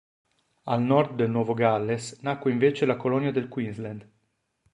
Al nord del Nuovo Galles, nacque invece la colonia del Queensland.